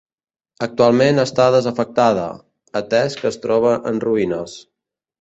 Actualment està desafectada, atès que es troba en ruïnes.